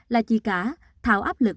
là chỉ cả thảo áp lực